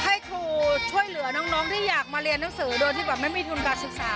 ให้ครูช่วยเหลือน้องที่อยากมาเรียนหนังสือโดยที่แบบไม่มีทุนการศึกษา